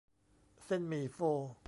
เส้นหมี่โฟ